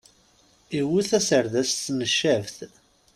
Iwet aserdas s tneccabt.